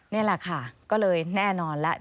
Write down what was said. นี่แหละค่ะก็เลยแน่นอนแล้ว